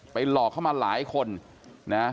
หลอกเข้ามาหลายคนนะ